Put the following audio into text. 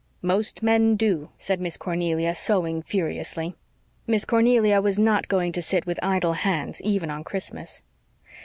"Most men do," said Miss Cornelia, sewing furiously. Miss Cornelia was not going to sit with idle hands, even on Christmas.